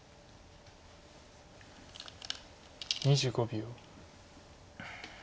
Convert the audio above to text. ２５秒。